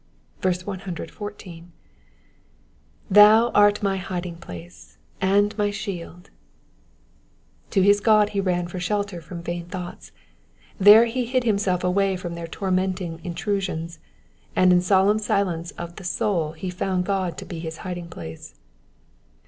114. ^''Tlwu art my hiding place and my shield,^ ^ To his God he ran for shelter from vain thoughts ; there he bid himself away from their torment ing intrusions, and in solemn silence of the soul he found God to be his hiding place.